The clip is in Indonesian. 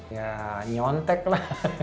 ya nyontek lah